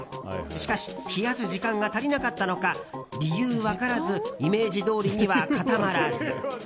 しかし、冷やす時間が足りなかったのか理由分からずイメージどおりには固まらず。